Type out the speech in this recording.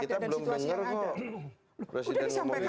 kita belum dengar kok presiden ngomong isu